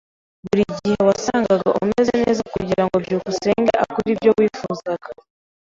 Buri gihe wasangaga umeze neza kugirango byukusenge akore ibyo wifuzaga.